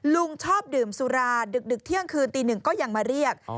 ชอบดื่มสุราดึกเที่ยงคืนตีหนึ่งก็ยังมาเรียก